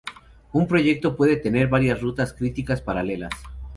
Un proyecto puede tener varias rutas críticas paralelas.